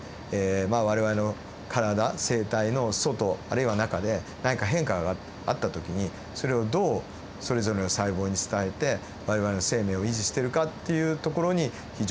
我々の体生態の外あるいは中で何か変化があった時にそれをどうそれぞれの細胞に伝えて我々の生命を維持してるかっていうところに非常に興味があって。